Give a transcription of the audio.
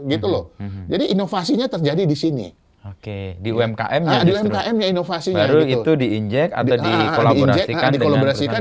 gitu loh jadi inovasinya terjadi di sini oke di umkm ya inovasinya itu di injek atau dikolaborasikan